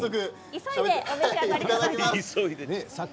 急いで召し上がってください。